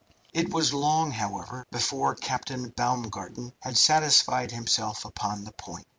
It was long, however, before Captain Baumgarten had satisfied himself upon the point.